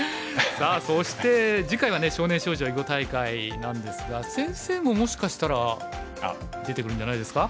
さあそして次回はね少年少女囲碁大会なんですが先生ももしかしたら出てるんじゃないですか？